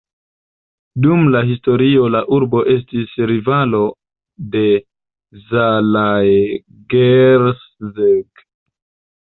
Dum la historio la urbo estis rivalo de Zalaegerszeg.